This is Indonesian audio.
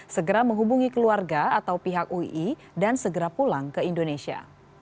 segera menghubungi keluarga atau pihak ui dan segera pulang ke indonesia